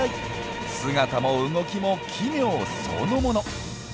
姿も動きも奇妙そのもの。